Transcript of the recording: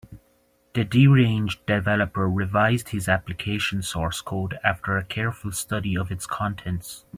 The deranged developer revised his application source code after a careful study of its contents.